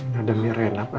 gak ada mi rena pak